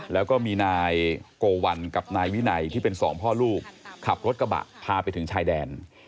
แล้วก็มีนายโกวัลกับนายวินัยที่เป็นสองพ่อลูกขับรถกระบะพาไปถึงชายแดน